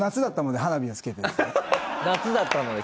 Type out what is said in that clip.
「夏だったので」。